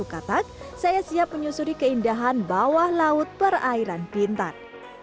katak saya siap menyusuri keindahan bawah laut perairan pintar